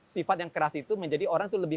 sifat yang keras itu menjadi orang itu lebih